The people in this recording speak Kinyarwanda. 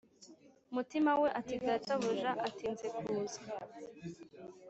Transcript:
mutima we ati databuja atinze kuza